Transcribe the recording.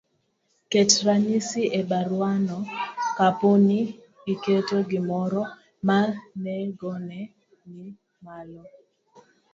ket ranyisi e baruano kapo ni iketo gimoro ma nengone ni malo,